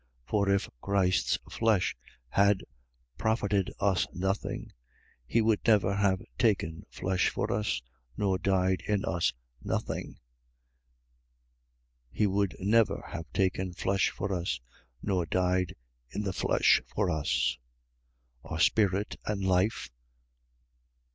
For if Christ's flesh had profitedus nothing, he would never have taken flesh for us, nor died in us nothing, he would never have taken flesh for us, nor died in the flesh for us. Are spirit and life.